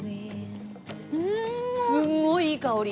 すごいいい香り。